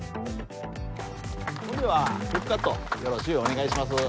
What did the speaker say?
それではテープカットよろしゅうお願いします